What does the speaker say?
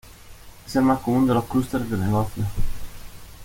Es el más común de los clústers de negocios.